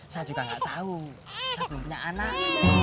saya juga gak tau saya belum punya anak